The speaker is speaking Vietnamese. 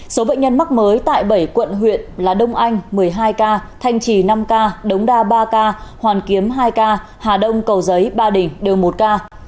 số bệnh nhân mắc mới tại bảy quận huyện là đông anh một mươi hai ca thanh trì năm ca đống đa ba ca hoàn kiếm hai ca hà đông cầu giấy ba đình đều một ca